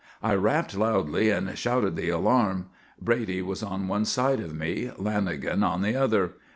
I rapped loudly and shouted the alarm. Brady was on one side of me, Lanagan on the other.